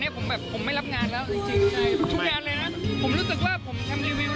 แต่ว่าแบบก็พยายามทำให้เต็มที่ที่สุด